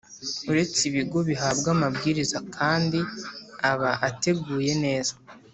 Uretse ibigo bihabwa amabwiriza kandi aba ateguye neza